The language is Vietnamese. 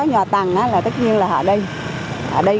nhà tầng là tất nhiên là họ đi